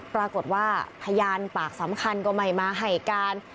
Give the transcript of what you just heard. ปรากฏว่าพยานปากสำคัญก็ไม่มาให้การ